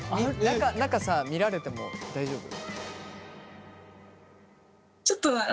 中さ見られても大丈夫？